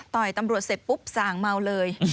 ตำรวจเสร็จปุ๊บส่างเมาเลย